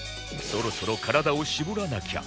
そろそろ体を絞らなきゃ